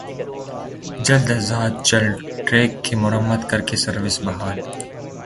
جلد از جلد ٹریک کی مرمت کر کے سروس بحال